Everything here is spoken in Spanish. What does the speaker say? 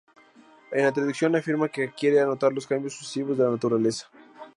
En la introducción afirma que quiere anotar los cambios sucesivos de la Naturaleza.